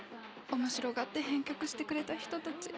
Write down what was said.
面白がって編曲してくれた人たち。